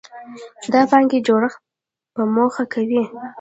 دا د پانګې جوړښت په موخه کوي.